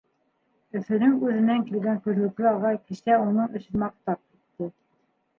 Өфөнөң үҙенән килгән күҙлекле ағай кисә уның эшен маҡтап китте: